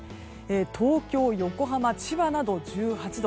東京、横浜、千葉など１８度。